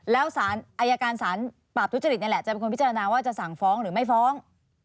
แล้วสารอายการสารปราบทุจริตนี่แหละจะเป็นคนพิจารณาว่าจะสั่งฟ้องหรือไม่ฟ้อง